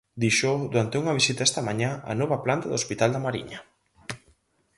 Díxoo durante unha visita esta mañá á nova planta do Hospital da Mariña.